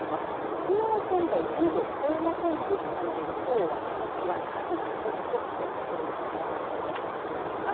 きのう仙台１０度を超えませんでしたのできょうは日ざしが少しほっとできそうなくらい暖かくなっています。